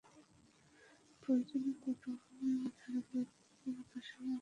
প্রয়োজনীয় পটভূমিকা ও ধারাবাহিকতা যথাসম্ভব রাখা হইয়াছে।